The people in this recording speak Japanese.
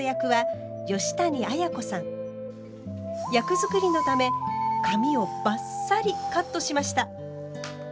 役作りのため髪をバッサリカットしました！